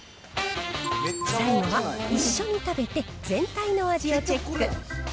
最後は、一緒に食べて全体の味をチェック。